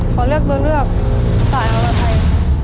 ขอเลือกตัวเลือกสายอรไทยค่ะ